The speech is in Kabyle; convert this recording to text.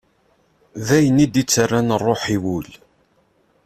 D ayen i d-ittarran rruḥ i wul.